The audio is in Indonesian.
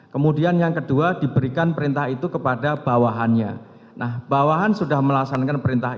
kemudian yang kedua diberikan perintah itu kepada bawahannya nah bawahan sudah melaksanakan perintah